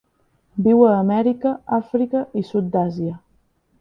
Viu a Amèrica, Àfrica i sud d'Àsia.